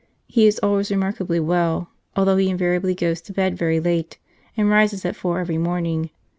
He is always remarkably well, although he invari ably goes to bed very late, and rises at four every morning.